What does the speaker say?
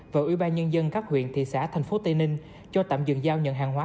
và ủy ban nhân dân các huyện thị xã tp tây ninh cho tạm dừng giao nhận hàng hóa